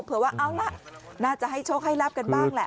ว่าเอาล่ะน่าจะให้โชคให้ลับกันบ้างแหละ